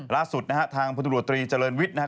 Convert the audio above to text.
ล่าสุดนะฮะทางพลตรวจตรีเจริญวิทย์นะครับ